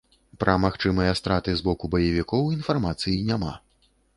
Пра магчымыя страты з боку баевікоў інфармацыі няма.